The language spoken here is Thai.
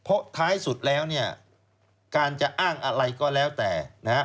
เพราะท้ายสุดแล้วการจะอ้างอะไรก็แล้วแต่